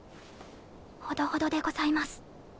ほどほどでございます。